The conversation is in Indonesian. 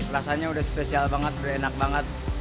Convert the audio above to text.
rasanya sudah spesial banget enak banget